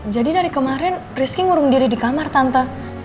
jadi dari kemarin rizky ngurung diri di kamar tante